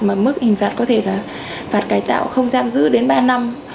mà mức hình phạt có thể là phạt cải tạo không giam giữ đến ba năm